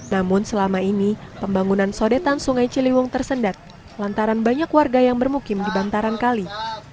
namun selama ini pembangunan sodetan sungai ciliwung tersendat lantaran banyak warga yang bermukim di bantaran kali